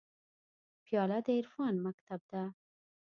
پیاله د عرفان مکتب ده.